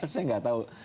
saya gak tahu